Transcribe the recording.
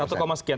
oke satu sekian